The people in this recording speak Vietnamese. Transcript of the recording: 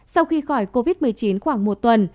sau khi khỏi covid một mươi chín khoảng một tuần